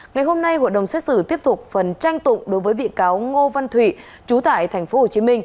ngày hôm nay hội đồng xét xử tiếp tục phần tranh tụng đối với bị cáo ngô văn thụy chú tại tp hcm